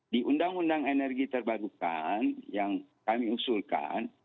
di undang undang energi terbarukan yang kami usulkan